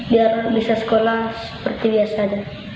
biar bisa sekolah seperti biasa